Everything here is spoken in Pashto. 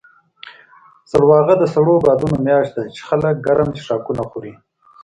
سلواغه د سړو بادونو میاشت ده، چې خلک ګرم څښاکونه خوري.